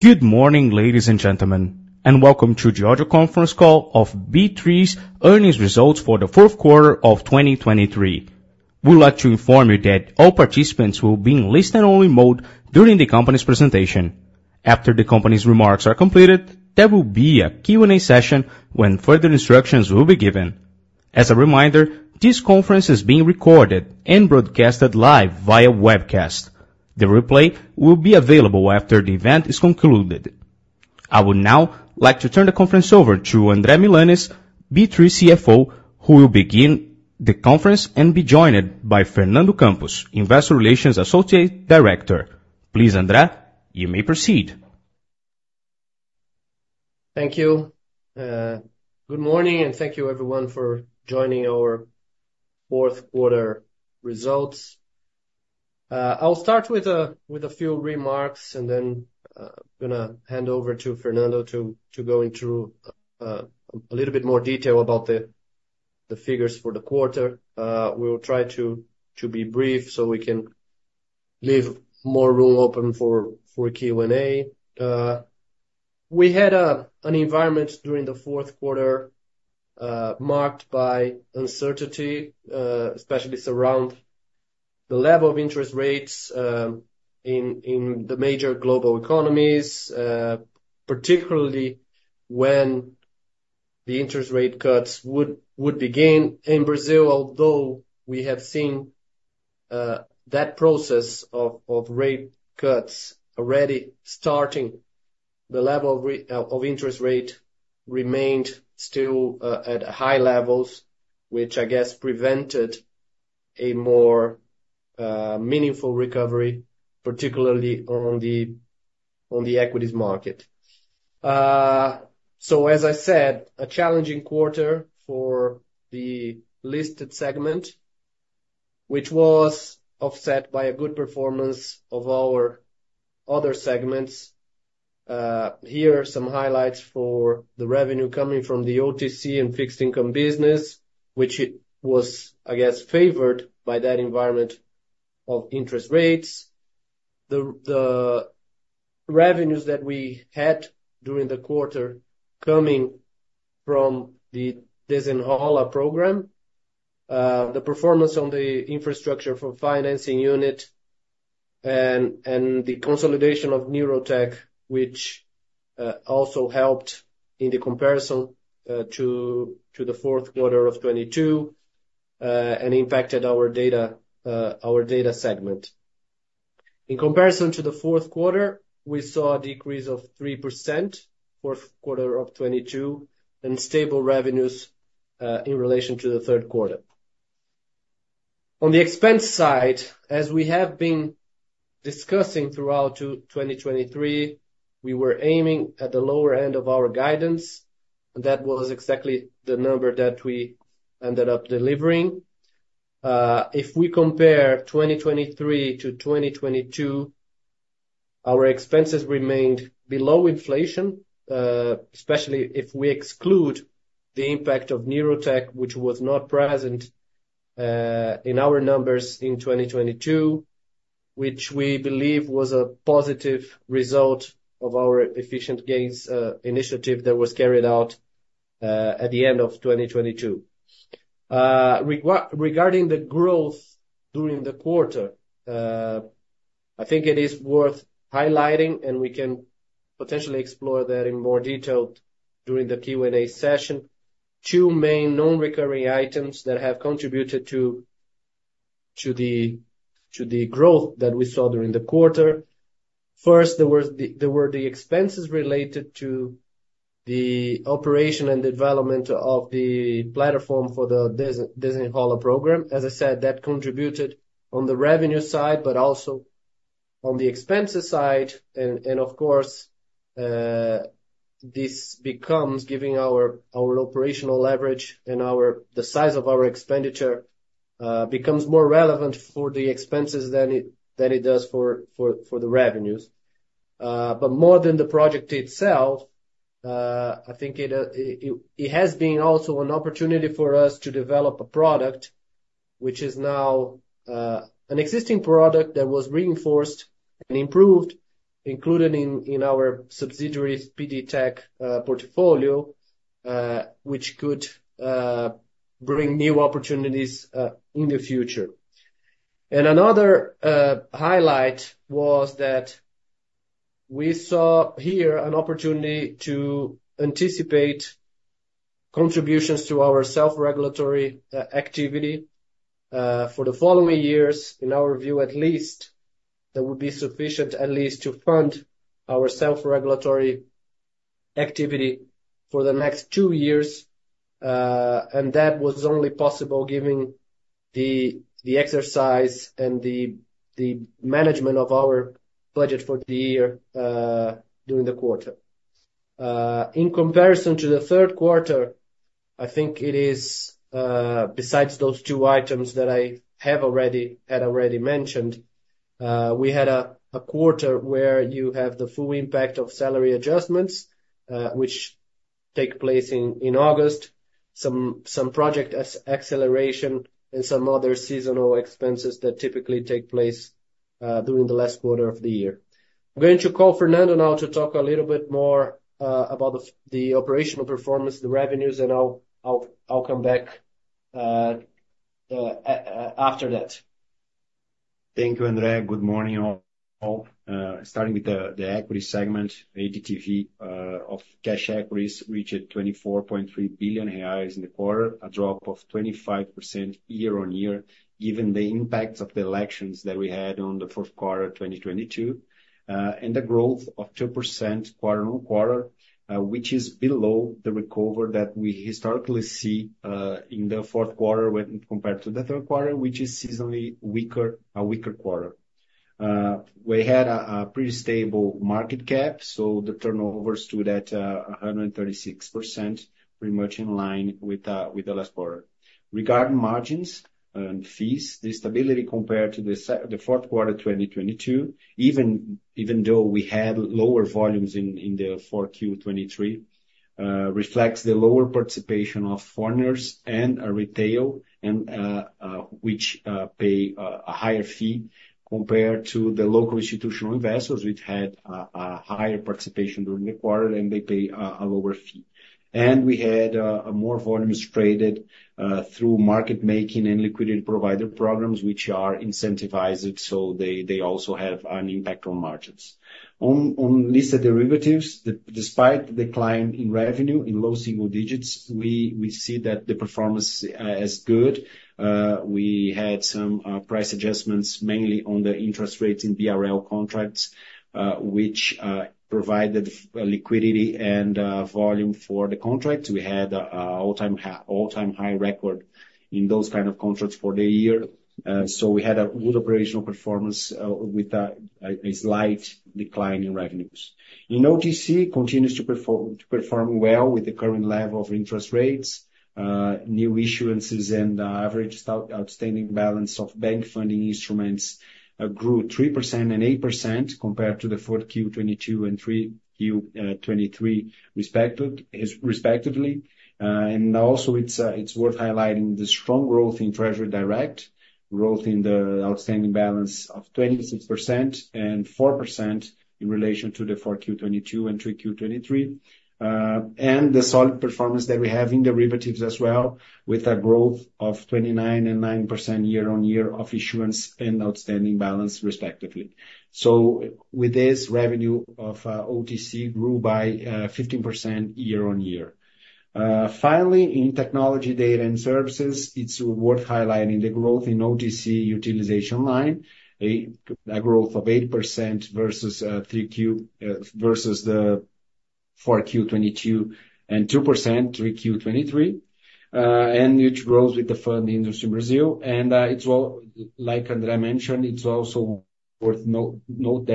Good morning, ladies and gentlemen, and welcome to the audio conference call of B3's earnings results for the fourth quarter of 2023. We'd like to inform you that all participants will be in listen-only mode during the company's presentation. After the company's remarks are completed, there will be a Q&A session when further instructions will be given. As a reminder, this conference is being recorded and broadcasted live via webcast. The replay will be available after the event is concluded. I would now like to turn the conference over to André Milanez, B3 CFO, who will begin the conference and be joined by Fernando Campos, Investor Relations Associate Director. Please, André, you may proceed. Thank you. Good morning, and thank you everyone, for joining our fourth quarter results. I'll start with a few remarks and then, I'm gonna hand over to Fernando to go into a little bit more detail about the figures for the quarter. We will try to be brief, so we can leave more room open for Q&A. We had an environment during the fourth quarter marked by uncertainty, especially around the level of interest rates in the major global economies, particularly when the interest rate cuts would begin. In Brazil, although we have seen that process of rate cuts already starting, the level of interest rate remained still at high levels, which I guess prevented a more meaningful recovery, particularly on the equities market. So as I said, a challenging quarter for the listed segment, which was offset by a good performance of our other segments. Here are some highlights for the revenue coming from the OTC and fixed income business, which it was, I guess, favored by that environment of interest rates. The revenues that we had during the quarter coming from the Desenrola program, the performance on the infrastructure for financing unit and the consolidation of Neurotech, which also helped in the comparison to the fourth quarter of 2022 and impacted our data segment. In comparison to the fourth quarter, we saw a decrease of 3%, fourth quarter of 2022, and stable revenues in relation to the third quarter. On the expense side, as we have been discussing throughout 2023, we were aiming at the lower end of our guidance, and that was exactly the number that we ended up delivering. If we compare 2023 to 2022, our expenses remained below inflation, especially if we exclude the impact of Neurotech, which was not present in our numbers in 2022, which we believe was a positive result of our efficient gains initiative that was carried out at the end of 2022. Regarding the growth during the quarter, I think it is worth highlighting, and we can potentially explore that in more detail during the Q&A session. Two main non-recurring items that have contributed to the growth that we saw during the quarter. First, there were the expenses related to the operation and development of the platform for the Desenrola program. As I said, that contributed on the revenue side, but also on the expenses side. And of course, this becomes giving our operational leverage and our the size of our expenditure becomes more relevant for the expenses than it does for the revenues. But more than the project itself, I think it has been also an opportunity for us to develop a product which is now an existing product that was reinforced and improved, including in our subsidiary PDTec portfolio, which could bring new opportunities in the future. Another highlight was that we saw here an opportunity to anticipate contributions to our self-regulatory activity for the following years. In our view, at least, that would be sufficient, at least to fund our self-regulatory activity for the next two years. And that was only possible given the exercise and the management of our budget for the year during the quarter. In comparison to the third quarter, I think it is besides those two items that I have already mentioned, we had a quarter where you have the full impact of salary adjustments, which take place in August, some project acceleration, and some other seasonal expenses that typically take place during the last quarter of the year. I'm going to call Fernando now to talk a little bit more about the operational performance, the revenues, and I'll come back after that. Thank you, André. Good morning, all. Starting with the equity segment, ADTV of cash equities reached 24.3 billion reais in the quarter, a drop of 25% year-on-year, given the impacts of the elections that we had on the fourth quarter, 2022. And the growth of 2% quarter-on-quarter, which is below the recovery that we historically see in the fourth quarter when compared to the third quarter, which is seasonally weaker, a weaker quarter. We had a pretty stable market cap, so the turnover stood at 136%, pretty much in line with the last quarter. Regarding margins and fees, the stability compared to the fourth quarter, 2022, even though we had lower volumes in 4Q 2023, reflects the lower participation of foreigners and retail, which pay a higher fee compared to the local institutional investors, which had a higher participation during the quarter, and they pay a lower fee. And we had more volumes traded through market making and liquidity provider programs, which are incentivized, so they also have an impact on margins. On listed derivatives, despite the decline in revenue in low single digits, we see that the performance is good. We had some price adjustments, mainly on the interest rates in BRL contracts, which provided liquidity and volume for the contract. We had an all-time high record in those kind of contracts for the year. So we had a good operational performance with a slight decline in revenues. In OTC, it continues to perform well with the current level of interest rates. New issuances and average outstanding balance of bank funding instruments grew 3% and 8% compared to the 4Q 2022 and 3Q 2023, respectively. And it's worth highlighting the strong growth in Treasury Direct, growth in the outstanding balance of 26% and 4% in relation to the 4Q 2022 and 3Q 2023. And the solid performance that we have in derivatives as well, with a growth of 29% and 9% year-on-year of issuance and outstanding balance, respectively. So with this, revenue of OTC grew by 15% year-on-year. Finally, in technology data and services, it's worth highlighting the growth in OTC utilization line, a growth of 8% versus 3Q versus 4Q 2022, and 2% 3Q 2023, and which grows with the fund industry in Brazil. And it's also, like André mentioned, it's also worth noting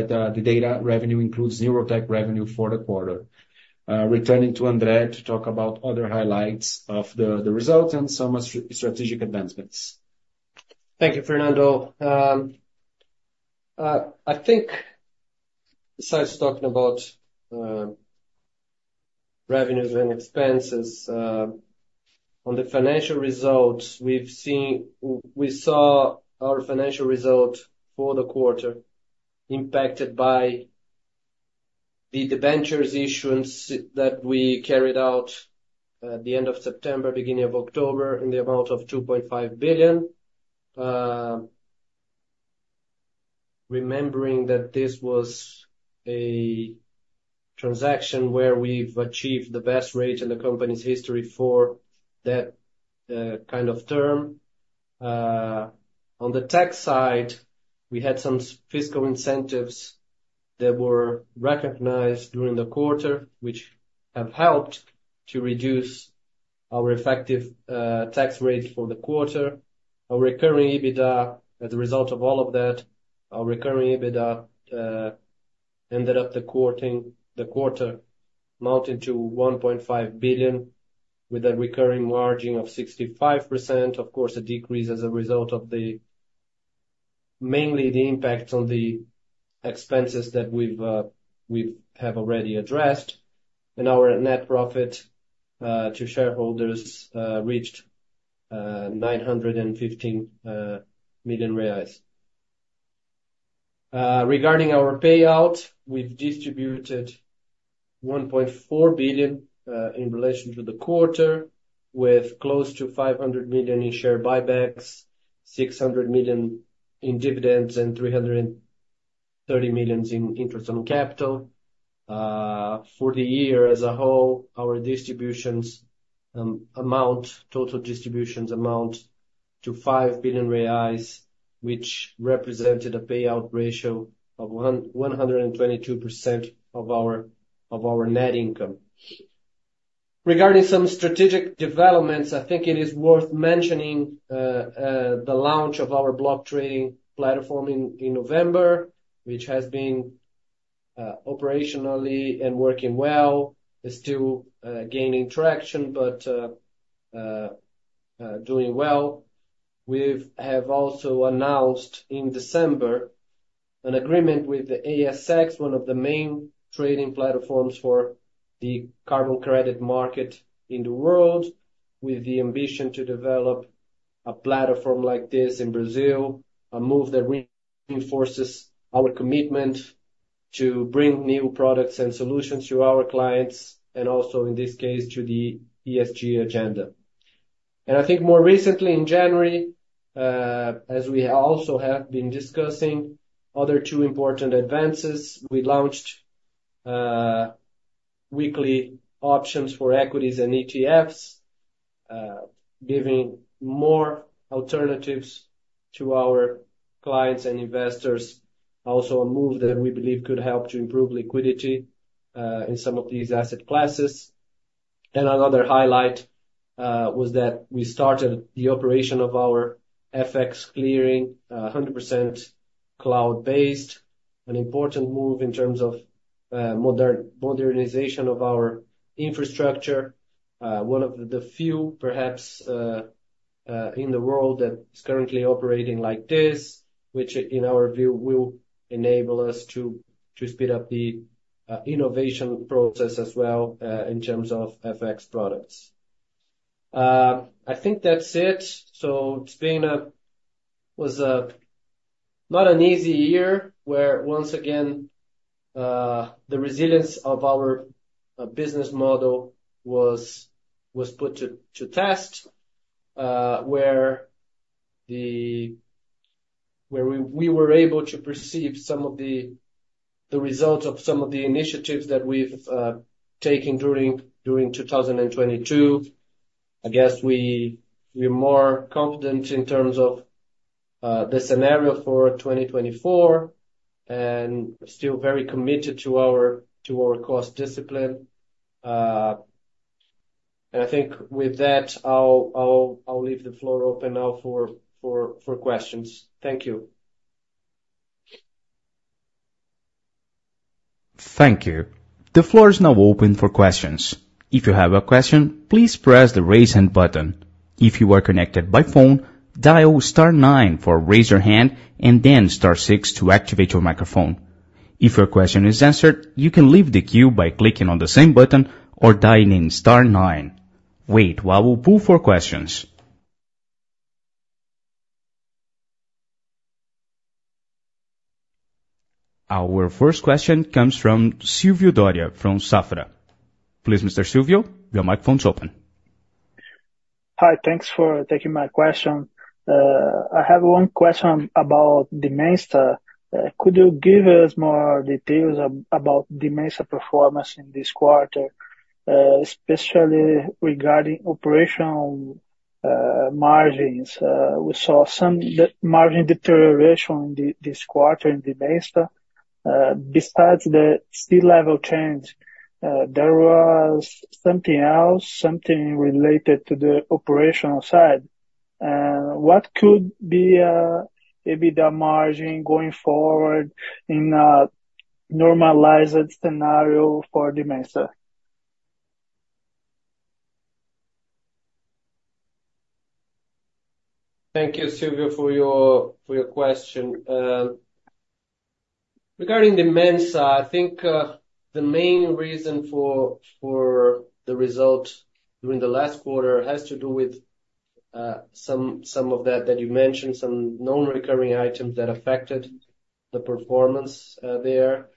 that the data revenue includes Neurotech revenue for the quarter. Returning to André to talk about other highlights of the results and some strategic advancements. Thank you, Fernando. I think besides talking about revenues and expenses on the financial results, we saw our financial result for the quarter impacted by the debentures issuance that we carried out at the end of September, beginning of October, in the amount of 2.5 billion. Remembering that this was a transaction where we've achieved the best rate in the company's history for that kind of term. On the tax side, we had some fiscal incentives that were recognized during the quarter, which have helped to reduce our effective tax rate for the quarter. Our recurring EBITDA, as a result of all of that, our recurring EBITDA ended up for the quarter amounting to 1.5 billion, with a recurring margin of 65%. Of course, a decrease as a result of mainly the impact on the expenses that we have already addressed. Our net profit to shareholders reached BRL 915 million. Regarding our payout, we've distributed 1.4 billion in relation to the quarter, with close to 500 million in share buybacks, 600 million in dividends, and 330 million in interest on capital. For the year as a whole, our total distributions amount to 5 billion reais, which represented a payout ratio of 122% of our net income. Regarding some strategic developments, I think it is worth mentioning the launch of our Block Trading Platform in November, which has been operationally and working well. It's still gaining traction, but doing well. We have also announced in December an agreement with the ACX, one of the main trading platforms for the carbon credit market in the world, with the ambition to develop a platform like this in Brazil, a move that reinforces our commitment to bring new products and solutions to our clients, and also, in this case, to the ESG agenda. I think more recently in January, as we also have been discussing other two important advances, we launched weekly options for equities and ETFs, giving more alternatives to our clients and investors. Also, a move that we believe could help to improve liquidity in some of these asset classes. Another highlight was that we started the operation of our FX clearing, 100% cloud-based. An important move in terms of modernization of our infrastructure. One of the few, perhaps, in the world that is currently operating like this, which in our view, will enable us to speed up the innovation process as well, in terms of FX products. I think that's it. So it's been a-- was not an easy year, where once again, the resilience of our business model was put to test. Where we were able to perceive some of the results of some of the initiatives that we've taken during 2022. I guess we're more confident in terms of the scenario for 2024, and still very committed to our cost discipline. I think with that, I'll leave the floor open now for questions. Thank you. Thank you. The floor is now open for questions. If you have a question, please press the Raise Hand button. If you are connected by phone, dial star nine for raise your hand and then star six to activate your microphone. If your question is answered, you can leave the queue by clicking on the same button or dialing star nine. Wait while we poll for questions. Our first question comes from Silvio Dória, from Safra. Please, Mr. Silvio, your microphone is open. Hi, thanks for taking my question. I have one question about Dimensa. Could you give us more details about Dimensa performance in this quarter, especially regarding operational margins? We saw some margin deterioration in this quarter in Dimensa. Besides the C-level change, there was something else, something related to the operational side. What could be maybe the margin going forward in a normalized scenario for Dimensa? Thank you, Silvio, for your question. Regarding Dimensa, I think the main reason for the result during the last quarter has to do with some of that you mentioned, some non-recurring items that affected the performance there.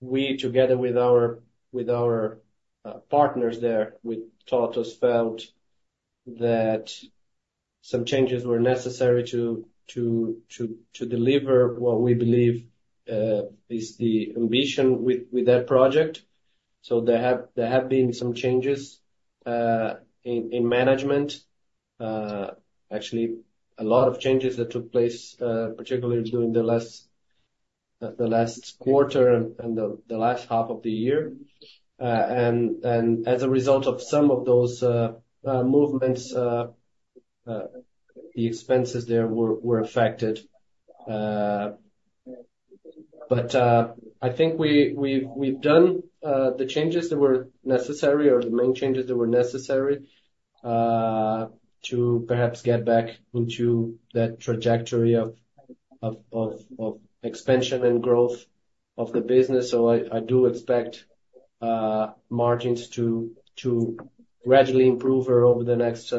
We, together with our partners there, with TOTVS, felt that some changes were necessary to deliver what we believe is the ambition with that project. So there have been some changes in management. Actually, a lot of changes that took place, particularly during the last quarter and the last half of the year. And as a result of some of those movements, the expenses there were affected. But, I think we've done the changes that were necessary or the main changes that were necessary to perhaps get back into that trajectory of expansion and growth of the business. So I do expect margins to gradually improve over the next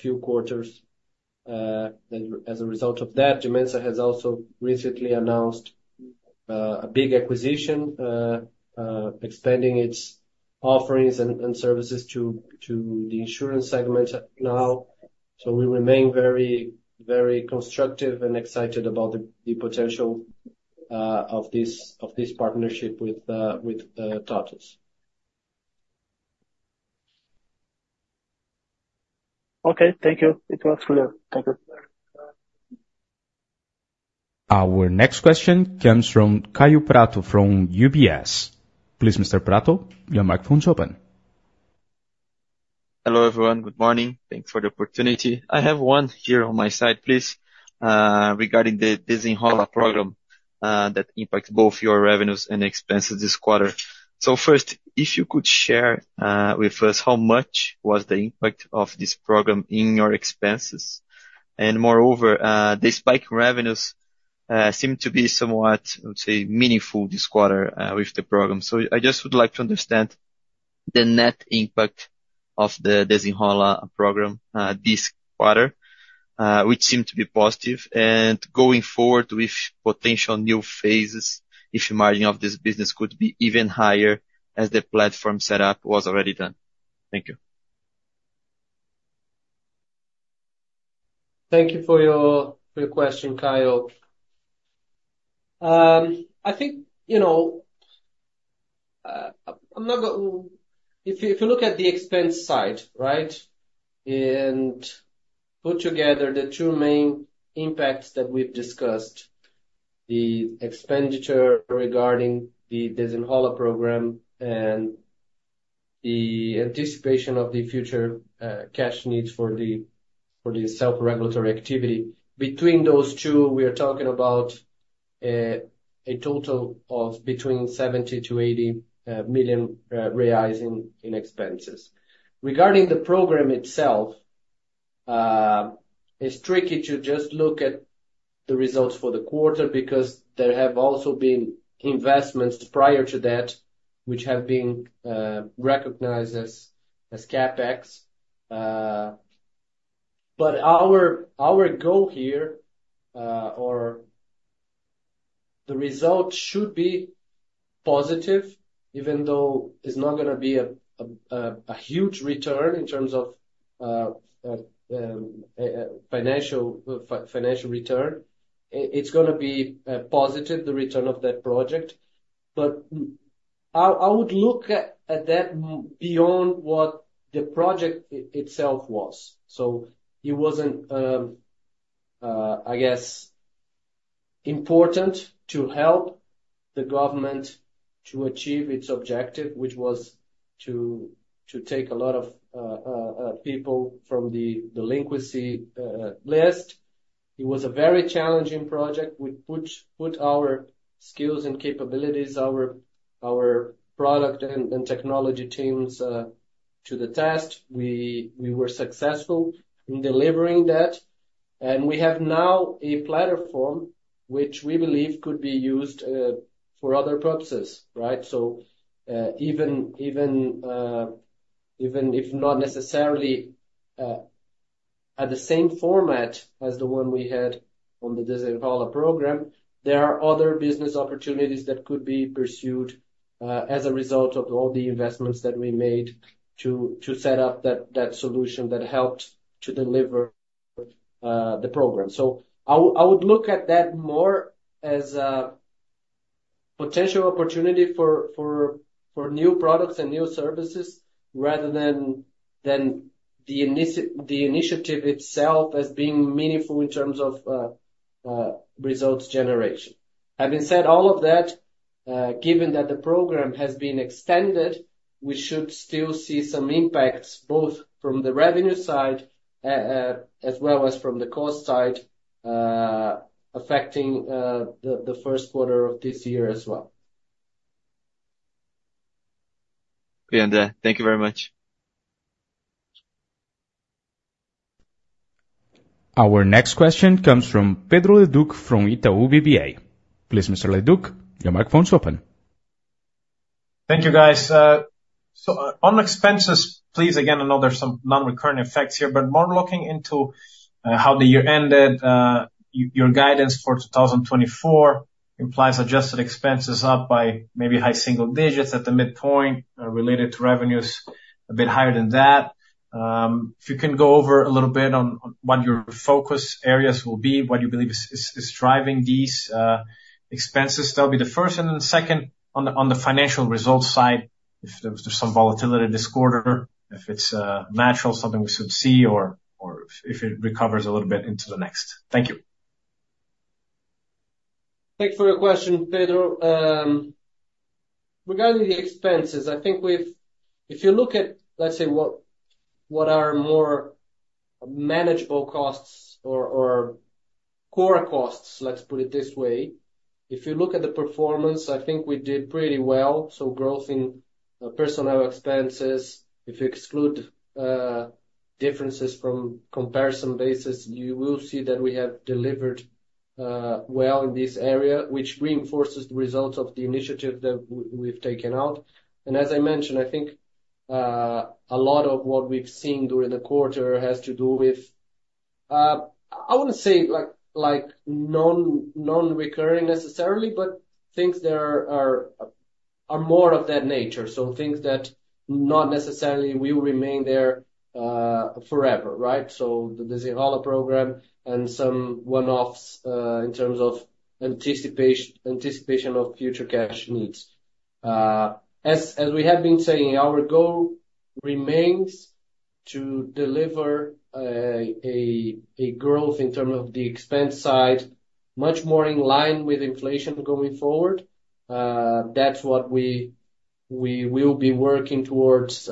few quarters. As a result of that, Dimensa has also recently announced a big acquisition, expanding its offerings and services to the insurance segment now. So we remain very, very constructive and excited about the potential of this partnership with TOTVS. Okay. Thank you. It was clear. Thank you. Our next question comes from Kaio Prato, from UBS. Please, Mr. Prato, your microphone is open. Hello, everyone. Good morning. Thank you for the opportunity. I have one here on my side, please, regarding the Desenrola program that impacts both your revenues and expenses this quarter. So first, if you could share with us, how much was the impact of this program in your expenses? And moreover, the spike in revenues seem to be somewhat, I would say, meaningful this quarter with the program. So I just would like to understand the net impact of the Desenrola program this quarter, which seemed to be positive. And going forward with potential new phases, if your margin of this business could be even higher as the platform set up was already done? Thank you. Thank you for your question, Kyle. I think, you know, if you look at the expense side, right? Put together the two main impacts that we've discussed, the expenditure regarding the Desenrola program and the anticipation of the future cash needs for the self-regulatory activity. Between those two, we are talking about a total of 70 million-80 million reais in expenses. Regarding the program itself, it's tricky to just look at the results for the quarter because there have also been investments prior to that which have been recognized as CapEx. But our goal here, or the result should be positive, even though it's not gonna be a huge return in terms of financial return. It's gonna be positive, the return of that project. But I would look at that beyond what the project itself was. So it wasn't, I guess, important to help the government to achieve its objective, which was to take a lot of people from the delinquency list. It was a very challenging project. We put our skills and capabilities, our product and technology teams to the test. We were successful in delivering that, and we have now a platform which we believe could be used for other purposes, right? So, even if not necessarily at the same format as the one we had on the Desenrola program, there are other business opportunities that could be pursued as a result of all the investments that we made to set up that solution that helped to deliver the program. So I would look at that more as a potential opportunity for new products and new services rather than the initiative itself as being meaningful in terms of results generation. Having said all of that, given that the program has been extended, we should still see some impacts, both from the revenue side as well as from the cost side, affecting the first quarter of this year as well. Thank you very much. Our next question comes from Pedro Leduc, from Itaú BBA. Please, Mr. Leduc, your microphone is open. Thank you, guys. So, on expenses, please, again, I know there's some non-recurring effects here, but more looking into how the year ended. Your guidance for 2024 implies adjusted expenses up by maybe high single digits at the midpoint, related to revenues a bit higher than that. If you can go over a little bit on what your focus areas will be, what you believe is driving these expenses. That'll be the first and then the second, on the financial results side, if there was some volatility this quarter, if it's natural, something we should see or if it recovers a little bit into the next. Thank you. Thank you for your question, Pedro. Regarding the expenses, I think we've, if you look at, let's say, what, what are more manageable costs or, or core costs, let's put it this way. If you look at the performance, I think we did pretty well. So growth in personnel expenses, if you exclude, differences from comparison basis, you will see that we have delivered, well in this area, which reinforces the results of the initiative that we've taken out. And as I mentioned, I think, a lot of what we've seen during the quarter has to do with, I wouldn't say like, like, non, non-recurring necessarily, but things that are, are, are more of that nature. So things that not necessarily will remain there, forever, right? So the Desenrola program and some one-offs, in terms of anticipation of future cash needs. As we have been saying, our goal remains to deliver a growth in terms of the expense side, much more in line with inflation going forward. That's what we will be working towards,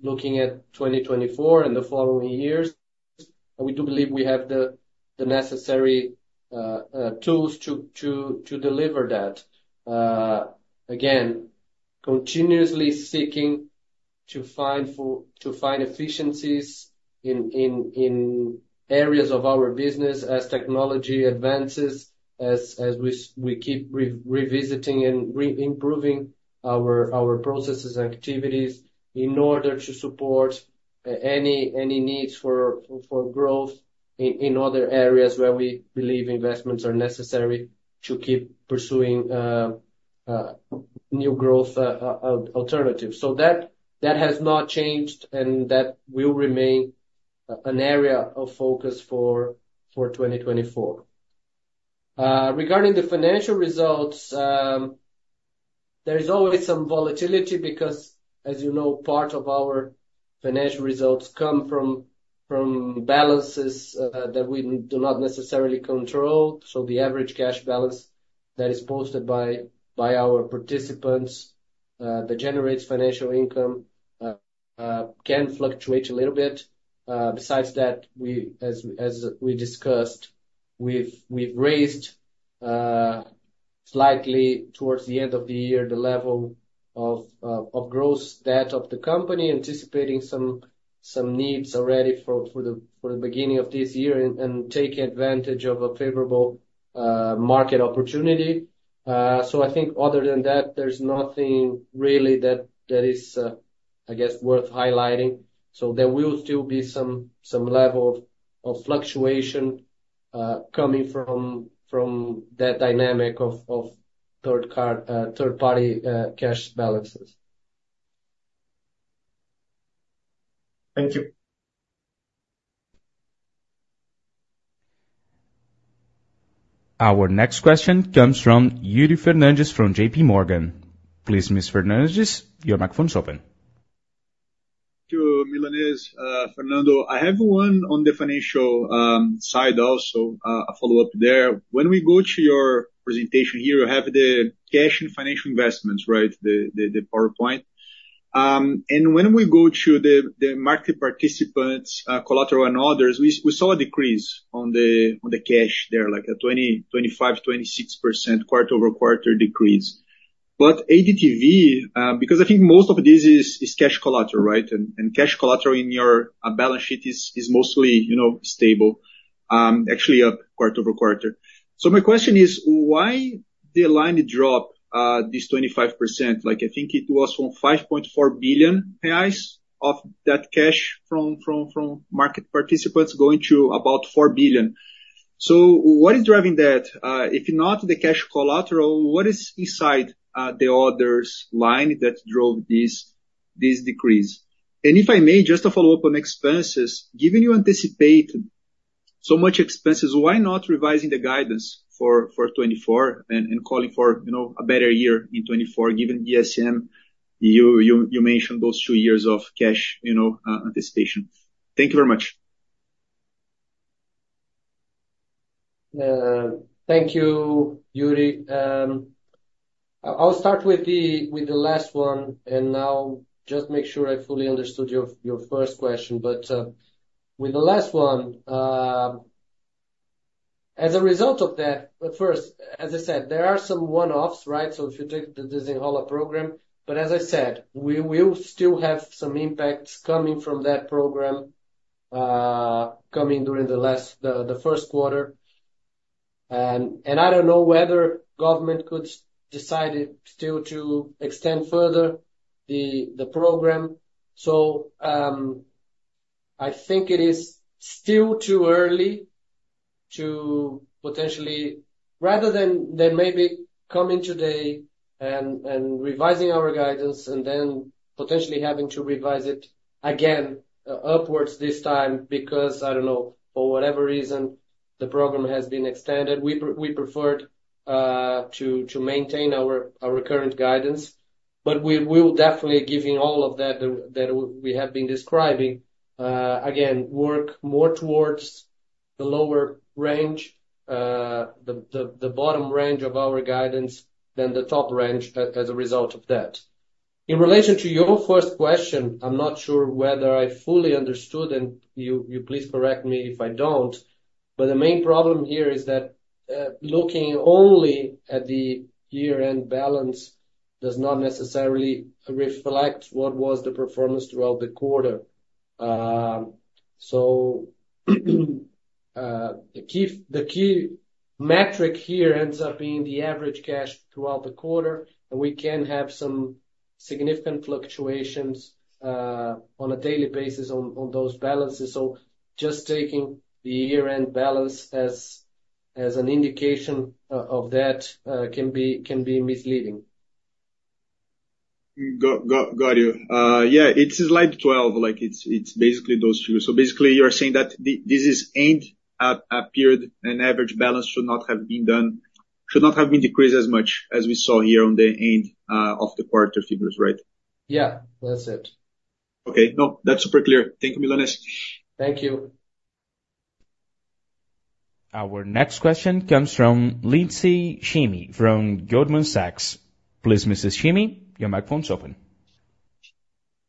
looking at 2024 and the following years. And we do believe we have the necessary tools to deliver that. Again, continuously seeking to find to find efficiencies in areas of our business as technology advances, as we keep revisiting and re-improving our processes and activities in order to support any needs for growth in other areas where we believe investments are necessary to keep pursuing new growth alternative. So that has not changed, and that will remain an area of focus for 2024. Regarding the financial results, there is always some volatility because, as you know, part of our financial results come from balances that we do not necessarily control. So the average cash balance that is posted by our participants that generates financial income can fluctuate a little bit. Besides that, we, as we discussed, we've raised slightly towards the end of the year the level of gross debt of the company, anticipating some needs already for the beginning of this year, and taking advantage of a favorable market opportunity. So I think other than that, there's nothing really that is, I guess, worth highlighting. So there will still be some level of fluctuation coming from that dynamic of third-party cash balances. Thank you. Our next question comes from Yuri Fernandes from JPMorgan. Please, Ms. Fernandes, your microphone is open. Thank you, Milanez, Fernando. I have one on the financial, side, also, a follow-up there. When we go to your presentation here, you have the cash and financial investments, right? The PowerPoint. And when we go to the market participants, collateral and others, we saw a decrease on the cash there, like a 20, 25, 26% quarter-over-quarter decrease. But ADTV, because I think most of this is cash collateral, right? And cash collateral in your balance sheet is mostly, you know, stable, actually up quarter-over-quarter. So my question is, why the line drop, this 25%? Like, I think it was from 5.4 billion reais of that cash from market participants going to about 4 billion. So what is driving that? If not the cash collateral, what is inside the orders line that drove this decrease? And if I may, just to follow up on expenses, given you anticipate so much expenses, why not revising the guidance for 2024 and calling for, you know, a better year in 2024, given ESG, you mentioned those two years of cash, you know, anticipation. Thank you very much. Thank you, Yuri. I'll start with the last one, and now just make sure I fully understood your first question. But with the last one, as a result of that. But first, as I said, there are some one-offs, right? So if you take the Desenrola program, but as I said, we will still have some impacts coming from that program, coming during the first quarter. And I don't know whether government could decide it still to extend further the program. So I think it is still too early to potentially. Rather than maybe coming today and revising our guidance, and then potentially having to revise it again, upwards this time, because I don't know, for whatever reason, the program has been extended. We preferred to maintain our current guidance. But we will definitely, giving all of that that we have been describing, again, work more towards the lower range, the bottom range of our guidance than the top range as a result of that. In relation to your first question, I'm not sure whether I fully understood, and you please correct me if I don't, but the main problem here is that looking only at the year-end balance does not necessarily reflect what was the performance throughout the quarter. So, the key metric here ends up being the average cash throughout the quarter, and we can have some significant fluctuations on a daily basis on those balances. Just taking the year-end balance as an indication of that can be misleading. Got you. Yeah, it's slide 12, like it's basically those two. So basically, you're saying that the end-of-period and average balance should not have been decreased as much as we saw here on the end of the quarter figures, right? Yeah, that's it. Okay, no, that's super clear. Thank you, Milanez. Thank you. ...Our next question comes from Lindsey Shemma from Goldman Sachs. Please, Mrs. Shemma, your microphone's open.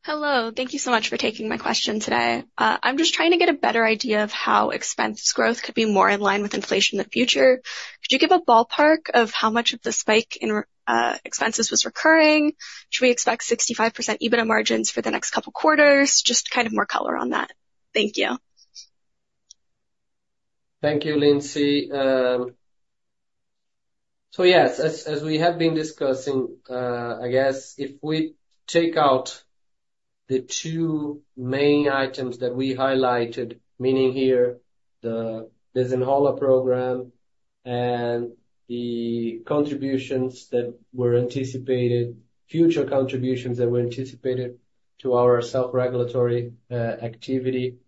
Hello. Thank you so much for taking my question today. I'm just trying to get a better idea of how expense growth could be more in line with inflation in the future. Could you give a ballpark of how much of the spike in expenses was recurring? Should we expect 65% EBITDA margins for the next couple quarters? Just kind of more color on that. Thank you. Thank you, Lindsey. So yes, as we have been discussing, I guess if we take out the two main items that we highlighted, meaning here, the Desenrola Brasil program and the contributions that were anticipated, future contributions that were anticipated to our self-regulatory activity.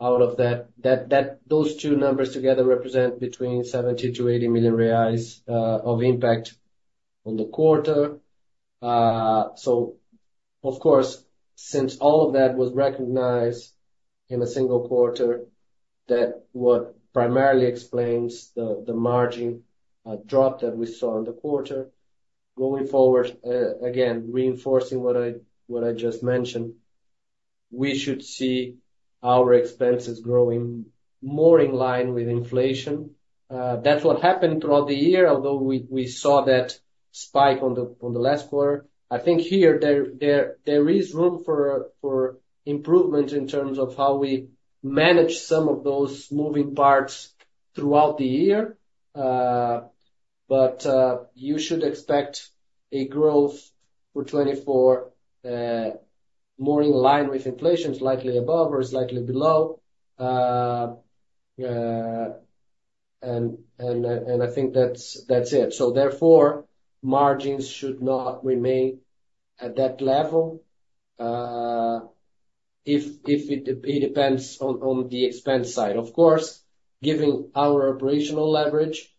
Out of that, those two numbers together represent between 70 million-80 million reais of impact on the quarter. So of course, since all of that was recognized in a single quarter, that what primarily explains the margin drop that we saw in the quarter. Going forward, again, reinforcing what I just mentioned, we should see our expenses growing more in line with inflation. That's what happened throughout the year, although we saw that spike on the last quarter. I think here, there is room for improvement in terms of how we manage some of those moving parts throughout the year. But you should expect a growth for 2024, more in line with inflation, slightly above or slightly below. And I think that's it. So therefore, margins should not remain at that level. If it depends on the expense side. Of course, giving our operational leverage,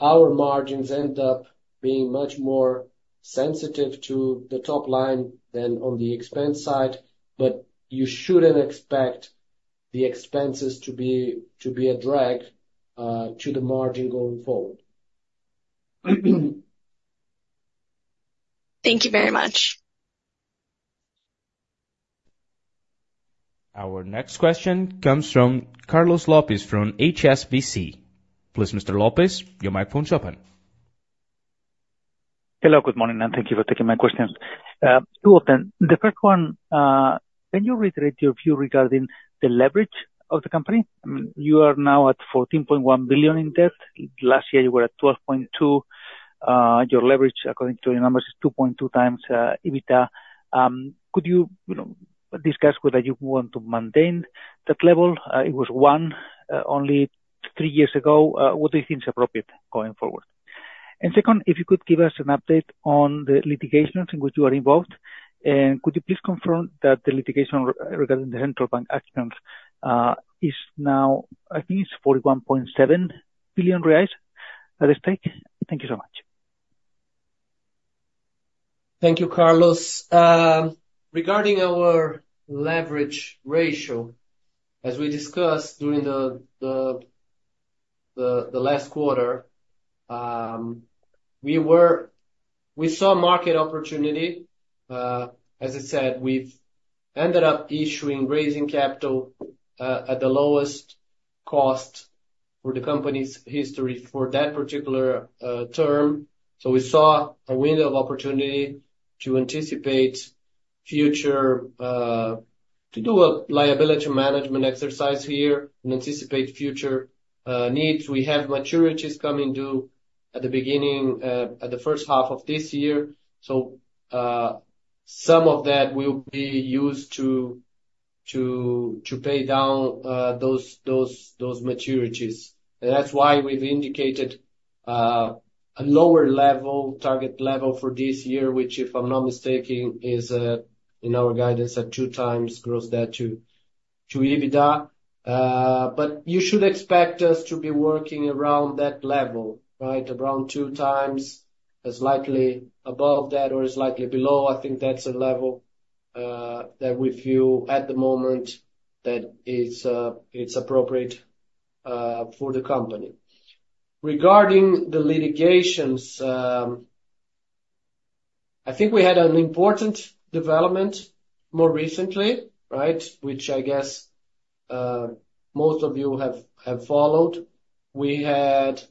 our margins end up being much more sensitive to the top line than on the expense side, but you shouldn't expect the expenses to be a drag to the margin going forward. Thank you very much. Our next question comes from Carlos Gomez-Lopez, from HSBC. Please, Mr. Lopez, your microphone's open. Hello, good morning, and thank you for taking my questions. Two of them. The first one, can you reiterate your view regarding the leverage of the company? I mean, you are now at 14.1 billion in debt. Last year, you were at 12.2. Your leverage, according to your numbers, is 2.2x EBITDA. Could you, you know, discuss whether you want to maintain that level? It was 1x, only three years ago. What do you think is appropriate going forward? And second, if you could give us an update on the litigations in which you are involved, and could you please confirm that the litigation regarding the Central Bank actions, is now, I think it's 41.7 billion reais at stake? Thank you so much. Thank you, Carlos. Regarding our leverage ratio, as we discussed during the last quarter, we saw market opportunity. As I said, we've ended up issuing, raising capital, at the lowest cost for the company's history for that particular term. So we saw a window of opportunity to anticipate future to do a liability management exercise here and anticipate future needs. We have maturities coming due at the beginning, at the first half of this year, so some of that will be used to pay down those maturities. And that's why we've indicated a lower level, target level for this year, which, if I'm not mistaken, is in our guidance at 2x gross debt to EBITDA. But you should expect us to be working around that level, right? Around 2x, as likely above that or slightly below. I think that's a level that we view at the moment that is, it's appropriate for the company. Regarding the litigations, I think we had an important development more recently, right? Which I guess most of you have followed. We had,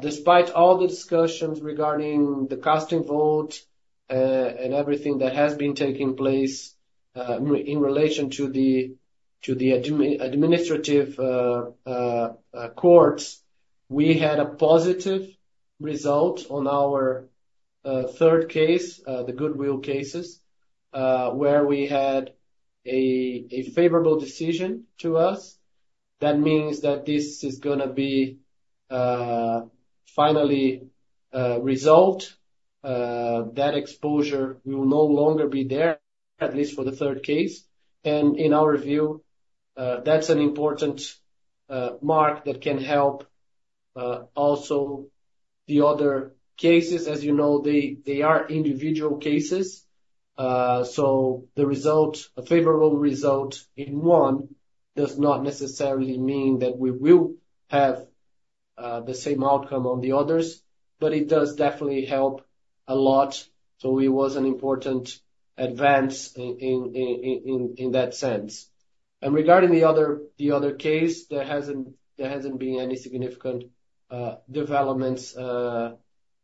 despite all the discussions regarding the casting vote and everything that has been taking place in relation to the administrative courts, we had a positive result on our third case, the goodwill cases, where we had a favorable decision to us. That means that this is gonna be finally resolved. That exposure will no longer be there, at least for the third case. In our view, that's an important mark that can help also the other cases, as you know, they are individual cases. So the result, a favorable result in one does not necessarily mean that we will have the same outcome on the others, but it does definitely help a lot. So it was an important advance in that sense. And regarding the other case, there hasn't been any significant developments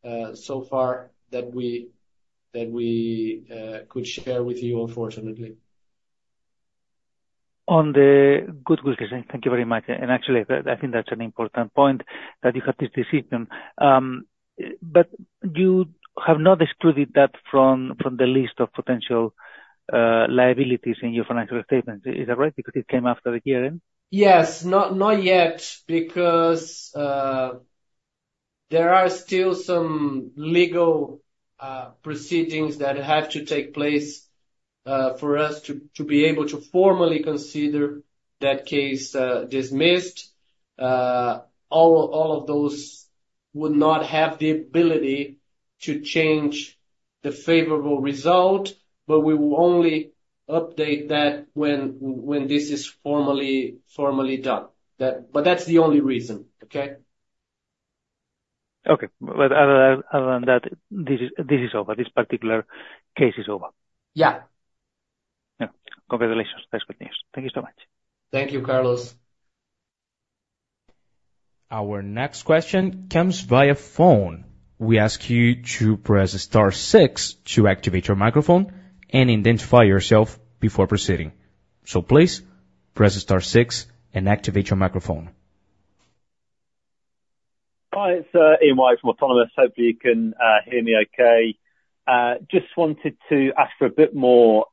so far that we could share with you, unfortunately. On the goodwill decision. Thank you very much, and actually, I think that's an important point that you have this decision. But you have not excluded that from the list of potential liabilities in your financial statements. Is that right? Because it came after the year end. Yes. Not yet, because there are still some legal proceedings that have to take place for us to be able to formally consider that case dismissed. All of those would not have the ability to change the favorable result, but we will only update that when this is formally done. But that's the only reason. Okay? Okay. But other than that, this is over, this particular case is over? Yeah. Yeah. Congratulations. That's good news. Thank you so much. Thank you, Carlos. Our next question comes via phone. We ask you to press star six to activate your microphone and identify yourself before proceeding. So please press star six and activate your microphone. Hi, it's Ian White from Autonomous. Hopefully you can hear me okay. Just wanted to ask for a bit more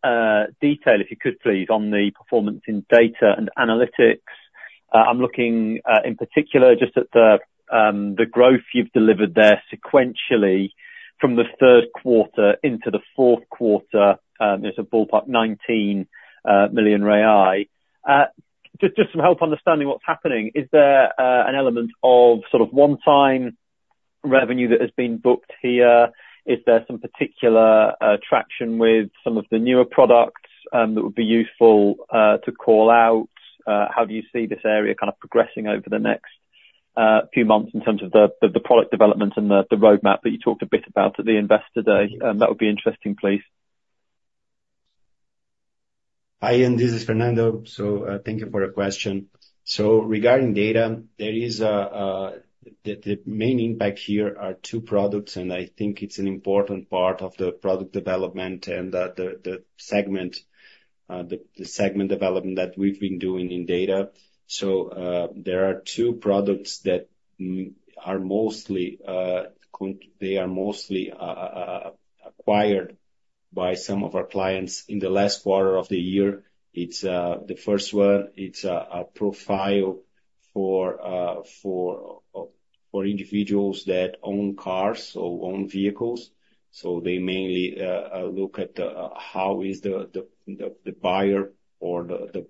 detail, if you could please, on the performance in data and analytics. I'm looking in particular just at the growth you've delivered there sequentially from the third quarter into the fourth quarter. It's a ballpark 19 million. Just, just some help understanding what's happening. Is there an element of sort of one-time revenue that has been booked here? Is there some particular traction with some of the newer products that would be useful to call out? How do you see this area kind of progressing over the next few months in terms of the product development and the roadmap that you talked a bit about at the Investor Day? That would be interesting, please. Hi, Ian, this is Fernando. So, thank you for the question. So regarding data, the main impact here are two products, and I think it's an important part of the product development and the segment development that we've been doing in data. So, there are two products that are mostly acquired by some of our clients in the last quarter of the year. It's the first one, it's a profile for individuals that own cars or own vehicles. So they mainly look at how is the buyer or the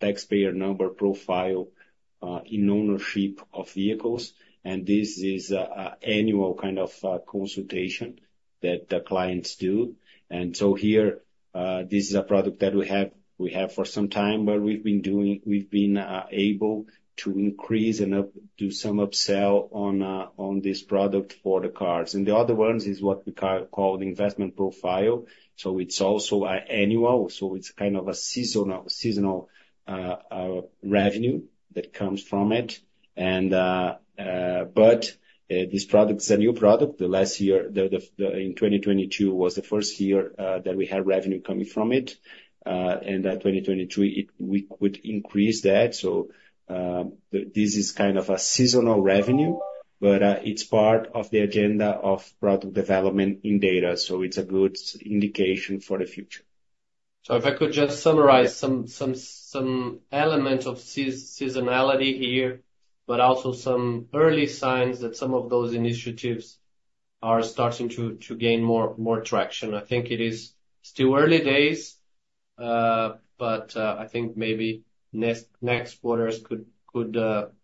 taxpayer number profile in ownership of vehicles, and this is an annual kind of consultation that the clients do. This is a product that we have, we have for some time, but we've been doing, we've been able to increase and up, do some upsell on, on this product for the cars. And the other ones is what we call the investment profile. So it's also an annual, so it's kind of a seasonal revenue that comes from it. And, but, this product is a new product. The last year, in 2022 was the first year that we had revenue coming from it. And 2023, it, we could increase that. So, this is kind of a seasonal revenue, but, it's part of the agenda of product development in data, so it's a good indication for the future. So if I could just summarize some elements of seasonality here, but also some early signs that some of those initiatives are starting to gain more traction. I think it is still early days, but I think maybe next quarters could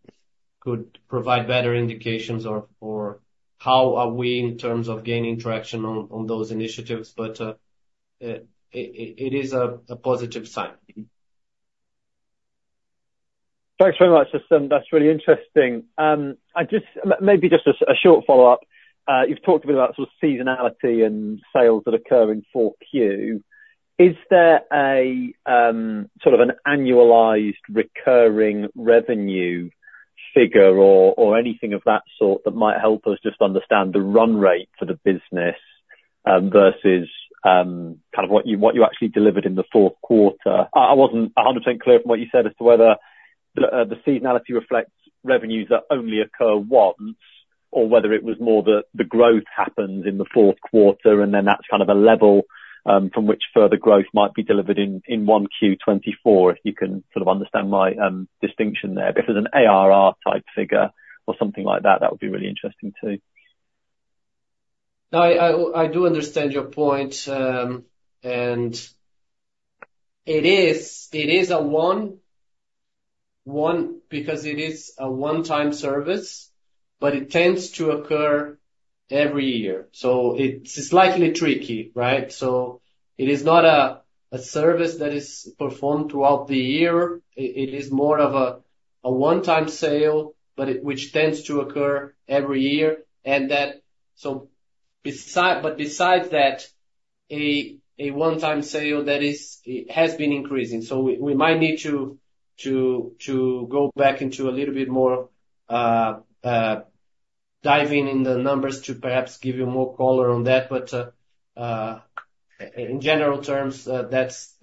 provide better indications or how we are in terms of gaining traction on those initiatives, but it is a positive sign. Thanks very much, System. That's really interesting. I just maybe just a short follow-up. You've talked a bit about sort of seasonality and sales that occur in 4Q. Is there a sort of an annualized recurring revenue figure or anything of that sort that might help us just understand the run rate for the business versus kind of what you actually delivered in the fourth quarter? I wasn't 100% clear from what you said as to whether the seasonality reflects revenues that only occur once, or whether it was more the growth happened in the fourth quarter, and then that's kind of a level from which further growth might be delivered in 1Q 2024. If you can sort of understand my distinction there. But if there's an ARR-type figure or something like that, that would be really interesting, too. No, I do understand your point, and it is a one-time service, but it tends to occur every year. So it's slightly tricky, right? So it is not a service that is performed throughout the year. It is more of a one-time sale, but it, which tends to occur every year. But besides that, a one-time sale that is, it has been increasing. So we might need to go back into a little bit more diving in the numbers to perhaps give you more color on that. But in general terms, that's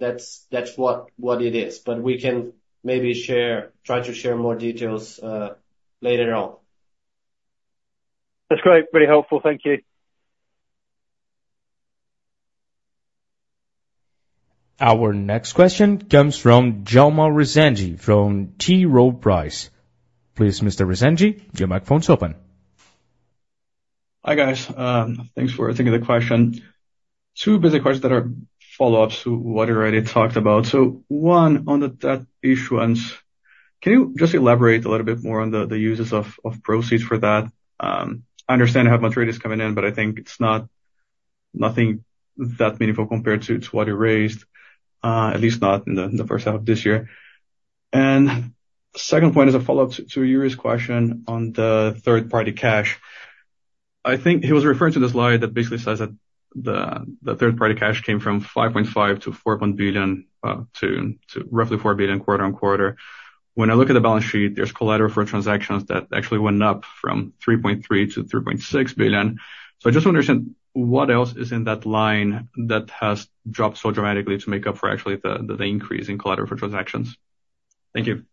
what it is. But we can maybe try to share more details later on. That's great. Very helpful. Thank you. Our next question comes from Djalma Rezende from T. Rowe Price. Please, Mr. Rezende, your microphone is open. Hi, guys. Thanks for taking the question. Two basic questions that are follow-ups to what you already talked about. So one, on the debt issuance, can you just elaborate a little bit more on the uses of proceeds for that? I understand you have maturities coming in, but I think it's not nothing that meaningful compared to what you raised, at least not in the first half of this year. And second point is a follow-up to Yuri's question on the third-party cash. I think he was referring to the slide that basically says that the third-party cash came from 5.5 billion to 4 billion, to roughly 4 billion quarter on quarter. When I look at the balance sheet, there's collateral for transactions that actually went up from 3.3 billion to 3.6 billion. So I just want to understand, what else is in that line that has dropped so dramatically to make up for actually the increase in collateral for transactions? Thank you.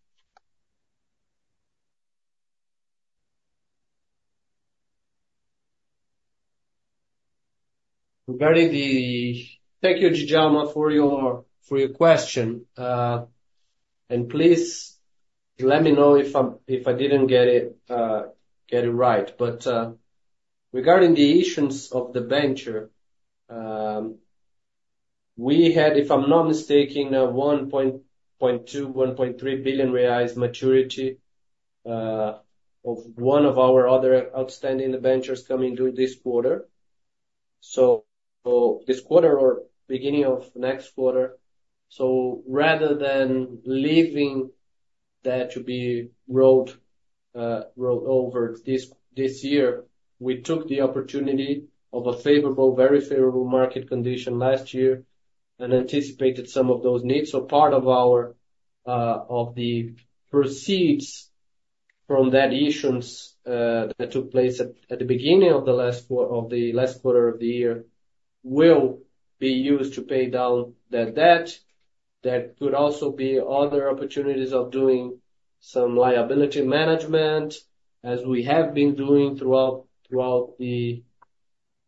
Thank you, Djalma, for your question. And please let me know if I didn't get it right. But, regarding the issuance of the debenture, we had, if I'm not mistaken, a 1.2-1.3 billion reais maturity of one of our other outstanding debentures coming due this quarter. So, this quarter or beginning of next quarter, so rather than leaving that to be rolled over this year, we took the opportunity of a favorable, very favorable market condition last year and anticipated some of those needs. So part of the proceeds from that issuance that took place at the beginning of the last quarter of the year will be used to pay down that debt. There could also be other opportunities of doing some liability management, as we have been doing throughout, probably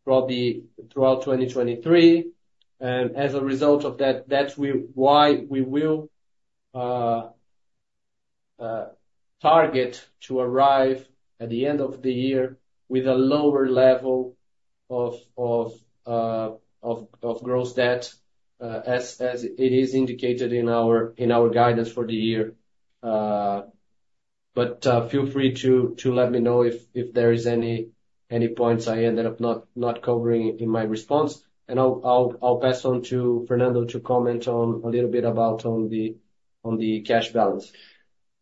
throughout 2023. As a result of that, that's why we will target to arrive at the end of the year with a lower level of gross debt, as it is indicated in our guidance for the year. But feel free to let me know if there is any points I ended up not covering in my response. I'll pass on to Fernando to comment a little bit about the cash balance.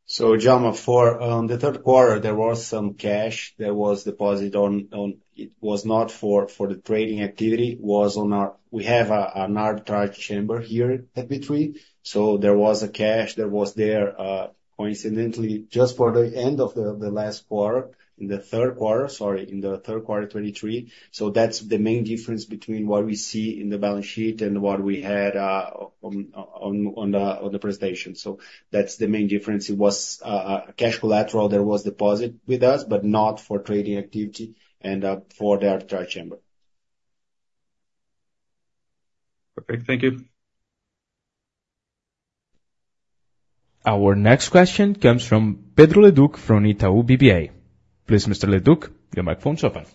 So Djalma, for the third quarter, there was some cash that was deposited on. It was not for the trading activity, it was on our we have an arbitrage chamber here at B3. So there was a cash that was there, coincidentally, just for the end of the last quarter, in the third quarter, sorry, in the third quarter of 2023. So that's the main difference between what we see in the balance sheet and what we had on the presentation. So that's the main difference. It was a cash collateral that was deposited with us, but not for trading activity and for the arbitrage chamber. Okay. Thank you. Our next question comes from Pedro Leduc from Itaú BBA. Please, Mr. Leduc, your microphone is open.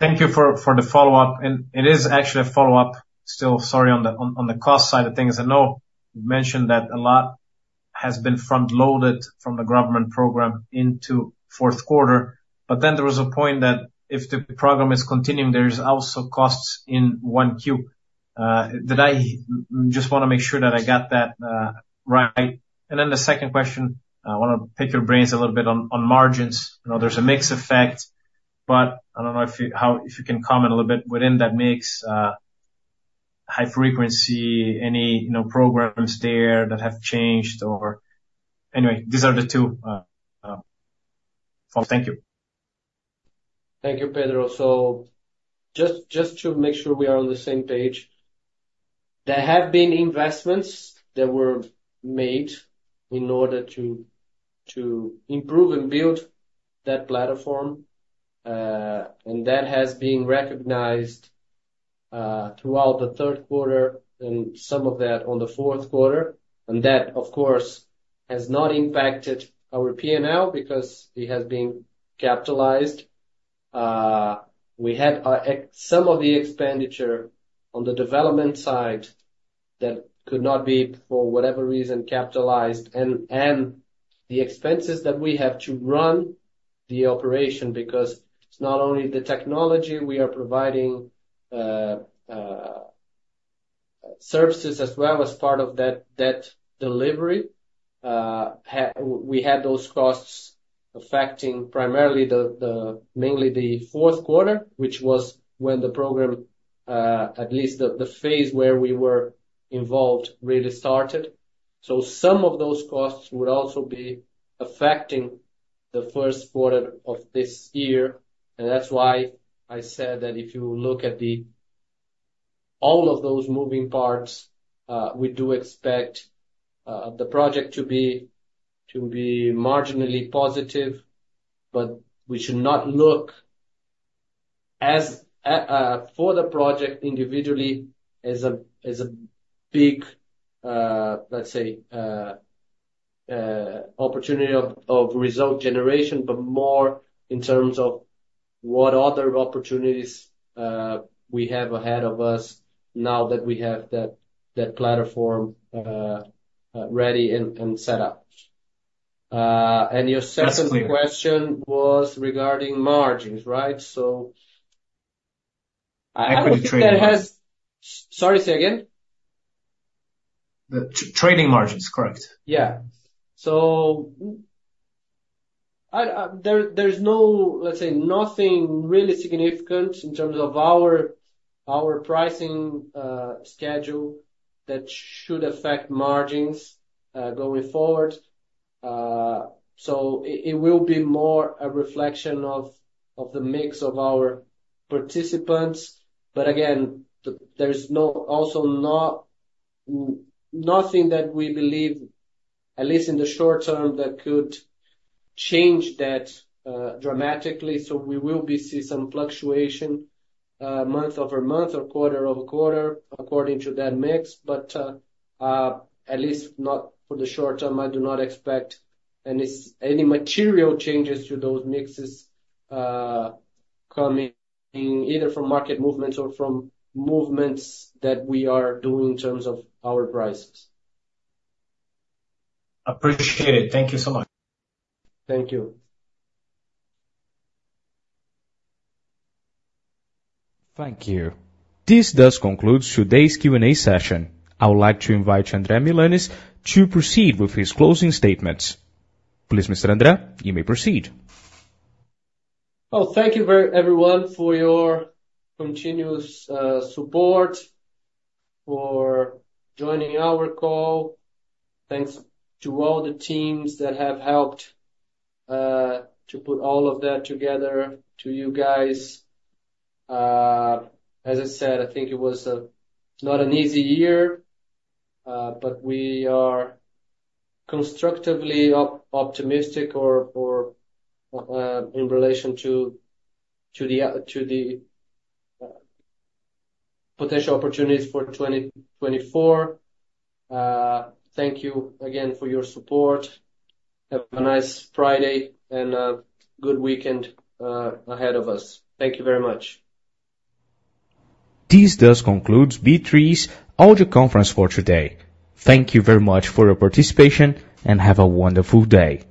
Thank you for the follow-up, and it is actually a follow-up, still, sorry, on the cost side of things. I know you mentioned that a lot has been front-loaded from the government program into fourth quarter, but then there was a point that if the program is continuing, there is also costs in 1Q. Did I just want to make sure that I got that right. And then the second question, I want to pick your brains a little bit on margins. I know there's a mix effect, but I don't know if you how if you can comment a little bit within that mix, high frequency, any, you know, programs there that have changed or. Anyway, these are the two. So thank you. Thank you, Pedro. So just to make sure we are on the same page, there have been investments that were made in order to improve and build that platform, and that has been recognized throughout the third quarter and some of that on the fourth quarter, and that, of course, has not impacted our P&L because it has been capitalized. We had some of the expenditure on the development side that could not be, for whatever reason, capitalized, and the expenses that we have to run the operation, because it's not only the technology, we are providing services as well as part of that delivery. We had those costs affecting primarily mainly the fourth quarter, which was when the program, at least the phase where we were involved, really started. So some of those costs would also be affecting the first quarter of this year, and that's why I said that if you look at the... all of those moving parts, we do expect the project to be, to be marginally positive, but we should not look as for the project individually as a, as a big, let's say, opportunity of, of result generation, but more in terms of what other opportunities we have ahead of us now that we have that, that platform ready and, and set up. And your second- That's clear. question was regarding margins, right? So I, I think that has- Equity trading. Sorry, say again. The trading margins, correct. Yeah. So I, there, there's no... let's say, nothing really significant in terms of our pricing schedule that should affect margins going forward. So it will be more a reflection of the mix of our participants. But again, there's no, also no, nothing that we believe, at least in the short term, that could change that dramatically. So we will see some fluctuation month-over-month or quarter-over-quarter, according to that mix. But at least not for the short term, I do not expect any material changes to those mixes coming in, either from market movements or from movements that we are doing in terms of our prices. Appreciate it. Thank you so much. Thank you. Thank you. This does conclude today's Q&A session. I would like to invite André Milanez to proceed with his closing statements. Please, Mr. André, you may proceed. Well, thank you, everyone for your continuous support for joining our call. Thanks to all the teams that have helped to put all of that together, to you guys. As I said, I think it was a not an easy year, but we are constructively optimistic or in relation to the potential opportunities for 2024. Thank you again for your support. Have a nice Friday and a good weekend ahead of us. Thank you very much. This does conclude B3's audio conference for today. Thank you very much for your participation, and have a wonderful day.